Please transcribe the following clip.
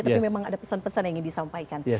tapi memang ada pesan pesan yang ingin disampaikan